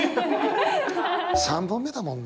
３本目だもんな。